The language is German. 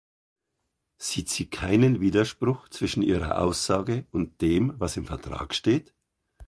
Sieht sie keinen Widerspruch zwischen ihrer Aussage und dem, was im Vertrag steht?